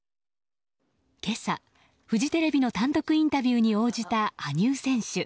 今朝、フジテレビの単独インタビューに応じた羽生選手。